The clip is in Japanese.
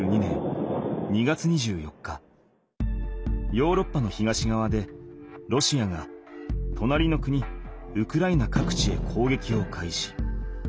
ヨーロッパの東がわでロシアがとなりの国ウクライナ各地へ攻撃を開始。